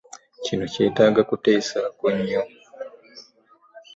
Kino kyetaaga kuteesaako nnyo.